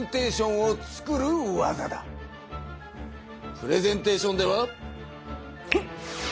プレゼンテーションではフンッ！